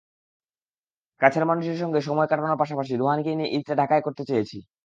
কাছের মানুষের সঙ্গে সময় কাটানোর পাশাপাশি রুহানকে নিয়ে ঈদটা ঢাকায় করতে চেয়েছি।